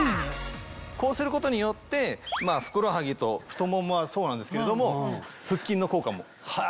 こうすることによってふくらはぎと太ももはそうなんですけれども腹筋の効果も。